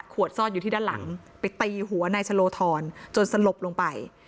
ซ่อนอยู่ที่ด้านหลังไปตีหัวนายชะโลธรจนสลบลงไป